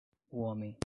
O homem